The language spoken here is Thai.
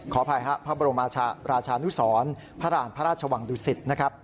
ขออภัยภ๑๙๔๗ภาร์รพระราชวรรค์ดุสิต